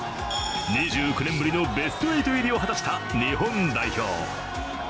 ２９年ぶりのベスト８入りを果たした日本代表。